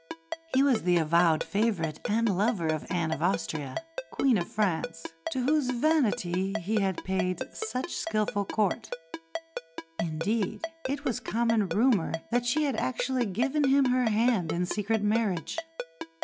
He was the avowed favourite and lover of Anne of Austria, Queen of France, to whose vanity he had paid such skilful court indeed it was common rumour that she had actually given him her hand in secret marriage.